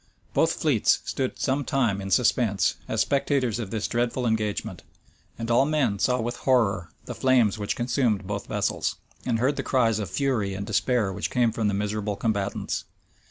Both fleets stood some time in suspense, as spectators of this dreadful engagement; and all men saw with horror the flames which consumed both vessels, and heard the cries of fury and despair which came from the miserable combatants.